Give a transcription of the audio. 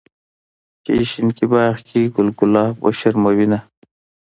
چې شينکي باغ کې ګل ګلاب وشرمووينه